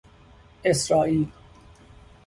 اسرائیل